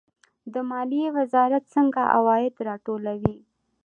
د مالیې وزارت څنګه عواید راټولوي؟